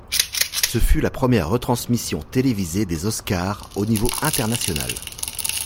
Ce fut la première retransmission télévisée des Oscars au niveau international.